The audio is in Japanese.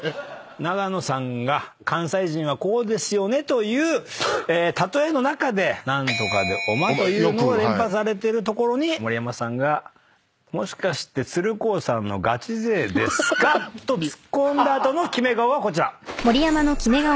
永野さんが関西人はこうですよねという例えの中で「何とかでおま」というのを連発されてるところに盛山さんが「もしかして鶴光さんのガチ勢ですか？」とツッコんだ後のキメ顔がこちら。